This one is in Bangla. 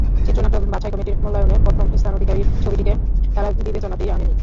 চিত্রনাট্য বাছাই কমিটির মূল্যায়নে প্রথম স্থান অধিকারীর ছবিটিকে তারা বিবেচনাতেই আনেনি।